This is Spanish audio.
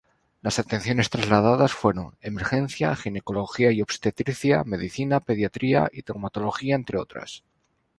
Las atenciones trasladadas fueron: Emergencia, Ginecología y Obstetricia, Medicina, Pediatría y Traumatología, entre otras.